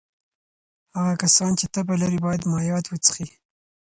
هغه کسان چې تبه لري باید مایعات وڅښي.